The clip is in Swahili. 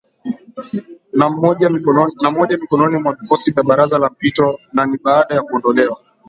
na moja mikononi mwa vikosi vya Baraza la Mpito na ni baada ya kuondolewa